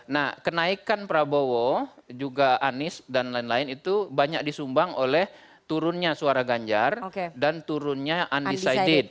nah kenaikan prabowo juga anies dan lain lain itu banyak disumbang oleh turunnya suara ganjar dan turunnya undecided